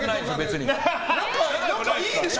仲いいでしょ！